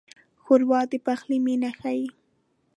ښوروا د پخلي مینه ښيي.